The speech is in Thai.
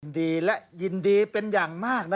ยินดีแล้วยินดีเป็นอย่างมากนะครับ